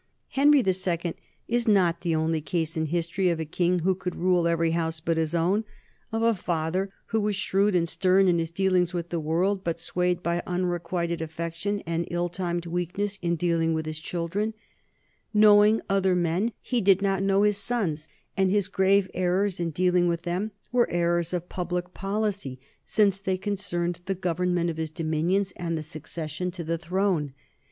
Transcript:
Henry II is not the only case in history of a king who could rule every house but his own, of a father who was 1 Salzmann, Henry II, p. 214. NORMANDY AND FRANCE 119 shrewd and stern in his dealings with the world but swayed by unrequited affection and ill timed weakness in dealing with his children. Knowing other men, he did not know his sons, and his grave errors in dealing with them were errors of public policy, since they concerned the government of his dominions and the succession to the throne.